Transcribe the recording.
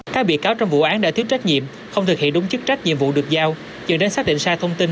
các bị cáo trong vụ án đã thiếu trách nhiệm không thực hiện đúng chức trách nhiệm vụ được giao dựa đến xác định sai thông tin